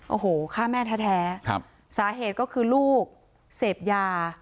โอ้โหฆ่าแม่แท้สาเหตุก็คือลูกเสพยา